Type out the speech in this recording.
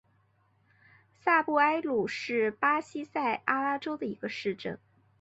萨布埃鲁是巴西塞阿拉州的一个市镇。